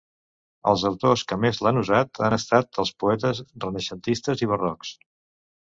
Els autors que més l'han usat han estat els poetes renaixentistes i barrocs.